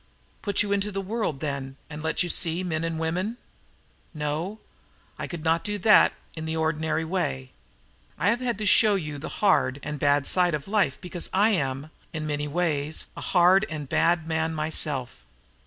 Put you into the world, then, and let you see men and women? No, I could not do that in the ordinary way. I have had to show you the hard and bad side of life, because I am, in many ways, a hard and bad man myself!"